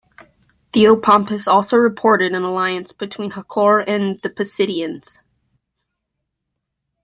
Theopompus also reported an alliance between Hakor and the Pisidians.